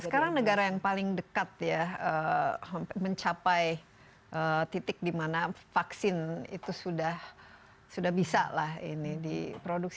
sekarang negara yang paling dekat ya mencapai titik di mana vaksin itu sudah bisa lah ini diproduksi